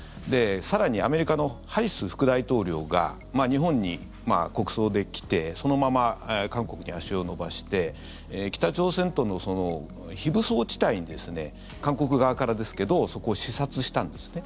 更に、アメリカのハリス副大統領が日本に国葬で来てそのまま韓国に足を延ばして北朝鮮との非武装地帯に韓国側からですけどそこを視察したんですね。